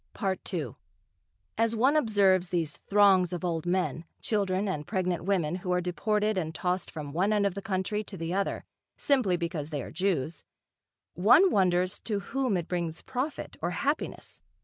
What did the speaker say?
II As one observes these throngs of old men, children and pregnant women who are deported and tossed from one end of the country to the other, simply because they are Jews, one wonders to whom it brings profit or happiness.